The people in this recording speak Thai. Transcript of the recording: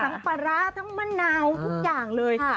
ปลาร้าทั้งมะนาวทุกอย่างเลย